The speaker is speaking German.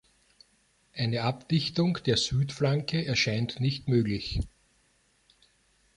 Eine Abdichtung der Südflanke erscheint nicht möglich.